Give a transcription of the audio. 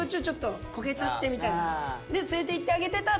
で連れて行ってあげてたっていう。